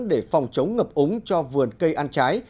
để phòng chống ngập úng cho vườn cây ăn trái